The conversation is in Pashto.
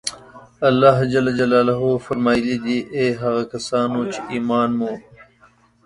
الله جل جلاله فرمایلي دي: اې هغه کسانو چې ایمان مو